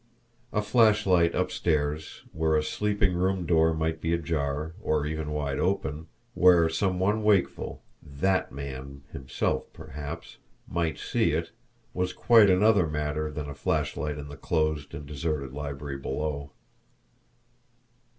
A flashlight upstairs, where a sleeping room door might be ajar, or even wide open, where some one wakeful, THAT man himself, perhaps, might see it, was quite another matter than a flashlight in the closed and deserted library below!